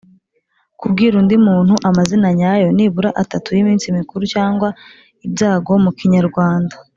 kubwira undi muntu amazina nyayo nibura atatu y‘iminsi mikuru cyangwa ibyago mu kinyarwanda